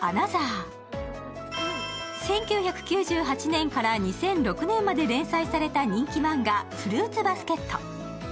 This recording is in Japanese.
１９９８年から２００６年まで連載された人気マンガ「フルーツバスケット」。